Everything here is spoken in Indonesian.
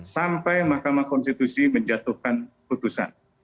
sampai mahkamah konstitusi menjatuhkan putusan